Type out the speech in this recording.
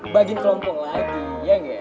bagian kelompok lagi iya nggak